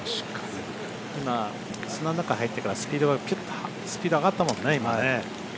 今、砂の中に入ってからスピード上がったもんね。